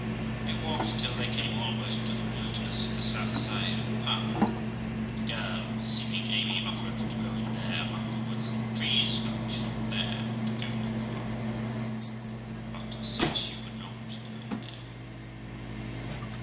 They walked till they came almost to the wilderness at the south side of the park; but the girl, perceiving Amy offered to go in there among the woods and trees, stopped short there, and would go no further; but said she would not go in there.